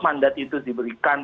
mandat itu diberikan